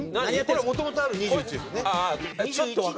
これもともとある２１ですよね？